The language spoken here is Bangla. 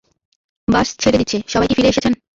বাস ছেড়ে দিচ্ছে, সবাই কি ফিরে এসেছেন?